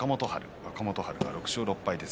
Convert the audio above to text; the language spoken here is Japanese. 若元春が６勝６敗です。